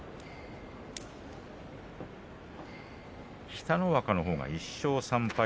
北の若のほうは１勝３敗。